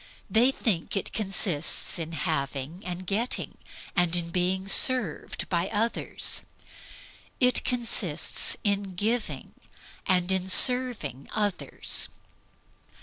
They think it consists in having and getting, and in being served by others. It consists in giving, and in serving others.